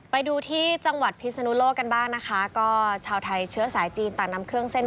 ไปดูที่จังหวัดพิศนุโลกกันบ้างนะคะก็ชาวไทยเชื้อสายจีนต่างนำเครื่องเส้น